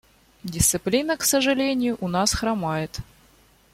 Дисциплина, к сожалению, у нас хромает.